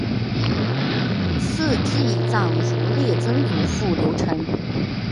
赐祭葬如例曾祖父刘澄。